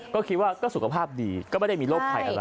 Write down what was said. ก็คิดว่าก็สุขภาพดีก็ไม่ได้มีโรคภัยอะไร